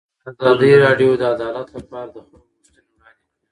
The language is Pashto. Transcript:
ازادي راډیو د عدالت لپاره د خلکو غوښتنې وړاندې کړي.